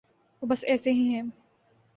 وہ بس ایسے ہی ہیں۔